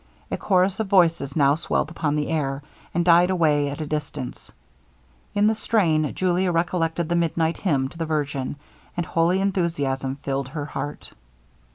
A chorus of voices now swelled upon the air, and died away at a distance. In the strain Julia recollected the midnight hymn to the virgin, and holy enthusiasm filled her heart.